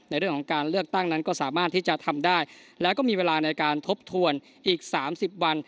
ในเรื่องของการเลือกตั้งนั้นก็สามารถที่จะทำได้แล้วก็มีเวลาในการทบทวนอีก๓๐วัน